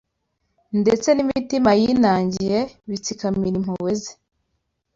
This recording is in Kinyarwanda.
ndetse n’imitima yinangiye bitsikamira impuhwe ze